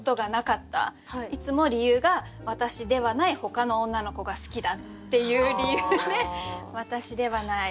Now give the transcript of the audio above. いつも理由が私ではないほかの女の子が好きだっていう理由で私ではない。